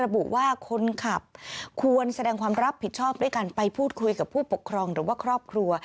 ระบุว่าคนขับควรแสดงความรับผิดชอบด้วยการไปพูดคุยกับผู้ปกครองหรือว่าครอบครัว